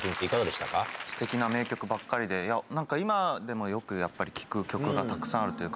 すてきな名曲ばっかりで、なんか今でもよくやっぱり聴く曲がたくさんあるというか。